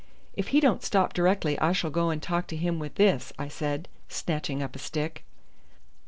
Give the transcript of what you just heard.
"If he don't stop directly I shall go and talk to him with this," I said, snatching up a stick.